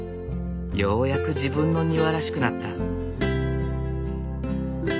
ようやく自分の庭らしくなった。